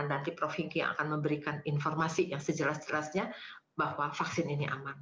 nanti prof hinki akan memberikan informasi yang sejelas jelasnya bahwa vaksin ini aman